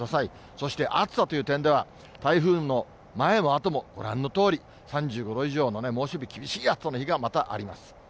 そして暑さという点では、台風の前もあともご覧のとおり、３５度以上の猛暑日、厳しい暑さの日がまたあります。